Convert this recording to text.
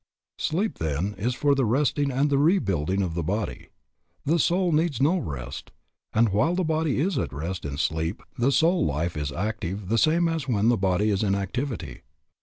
'" Sleep, then, is for the resting and the rebuilding of the body. The soul needs no rest, and while the body is at rest in sleep the soul life is active the same as when the body is in activity.